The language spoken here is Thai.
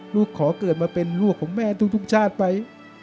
ขอเกิดมาเป็นลูกของแม่ทุกชาติไป